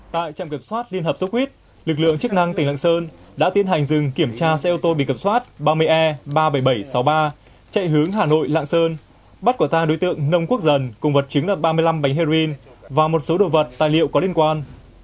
tại trạm kiểm soát liên hợp sốt huyết lực lượng chức năng tỉnh lạng sơn đã tiến hành dừng kiểm tra xe ô tô bị cập soát ba mươi e ba mươi bảy nghìn bảy trăm sáu mươi ba chạy hướng hà nội lạng sơn bắt quả tang đối tượng nông quốc dần cùng vật chứng là ba mươi năm bánh heroin và một số đồ vật tài liệu có liên quan